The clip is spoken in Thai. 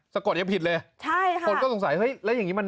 สะกดยังผิดเลยคนก็สงสัยแล้วอย่างนี้มัน